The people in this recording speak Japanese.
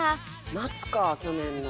「夏か去年の。